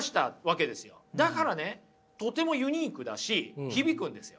だからねとてもユニークだし響くんですよ。